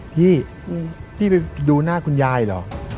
พี่พี่ไปดูหน้าคุณยายเหรอ